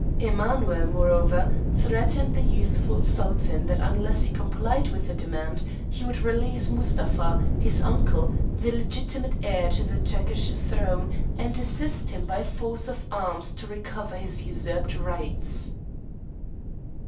Emanuel, moreover, threatened the youthful Sultan that unless he complied with the demand, he would release Mustapha, his uncle, the legitimate heir to the Turkish throne, and assist him by force of arms to recover his usurped rights.